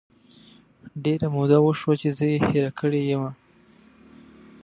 ډیره موده وشوه چې زه یې هیره کړی یمه